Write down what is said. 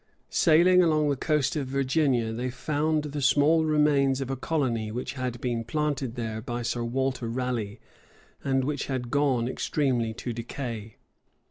Sailing along the coast of Virginia, they found the small remains of a colony which had been planted there by Sir Walter Raleigh, and which had gone extremely to decay.